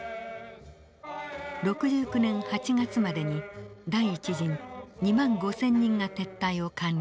６９年８月までに第１陣２万５，０００人が撤退を完了。